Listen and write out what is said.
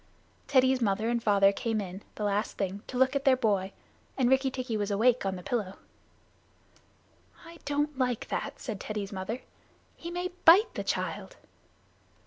Teddy's mother and father came in, the last thing, to look at their boy, and Rikki tikki was awake on the pillow. "I don't like that," said Teddy's mother. "He may bite the child."